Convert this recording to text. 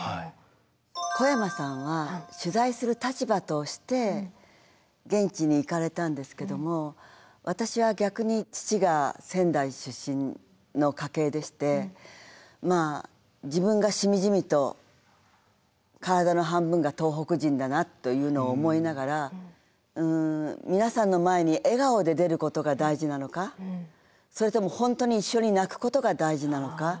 小山さんは取材する立場として現地に行かれたんですけども私は逆に父が仙台出身の家系でしてまあ自分がしみじみと体の半分が東北人だなというのを思いながら皆さんの前に笑顔で出ることが大事なのかそれとも本当に一緒に泣くことが大事なのか。